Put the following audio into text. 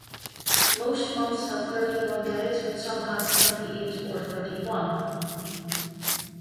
Most months have thirty-one days, but some have twenty-eight or thirty-one.